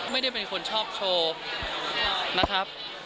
ไม่ได้เป็นคนชอบโชว์นะครับ